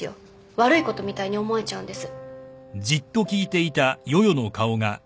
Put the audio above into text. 悪いことみたいに思えちゃうんです。